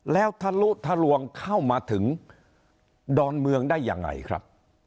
แล้วทะลุทะลวงเข้ามาถึงดอนเมืองได้ยังไงครับ